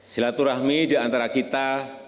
silaturahmi diantara kita